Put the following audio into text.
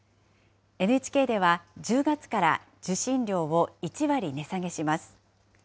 ＮＨＫでは、１０月から受信料を１割値下げします。